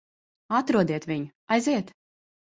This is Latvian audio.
Atrodiet viņu. Aiziet!